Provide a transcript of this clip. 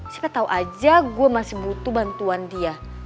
siapa tau aja gue masih butuh bantuan dia